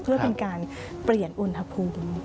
เพื่อเป็นการเปลี่ยนอุณหภูมิ